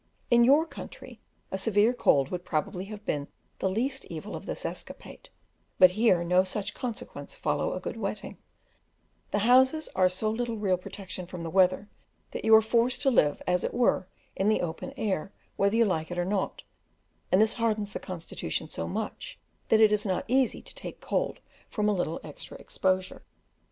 In your country a severe cold would probably have been the least evil of this escapade, but here no such consequence follow a good wetting; the houses are so little real protection from the weather, that you are forced to live as it were in the open air, whether you like it or not, and this hardens the constitution so much, that it is not easy to take cold from a little extra exposure.